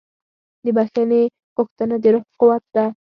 د بښنې غوښتنه د روح قوت ده.